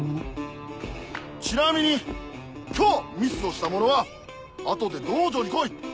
ちなみに今日ミスをした者はあとで道場に来い！